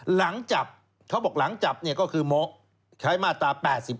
หลังจับเขาบอกหลังจับเนี่ยก็คือใช้มาตรา๘๔